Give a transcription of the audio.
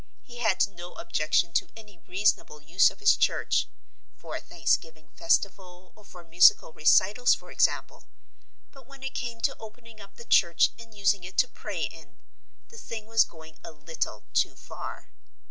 He had no objection to any reasonable use of his church for a thanksgiving festival or for musical recitals for example but when it came to opening up the church and using it to pray in, the thing was going a little too far.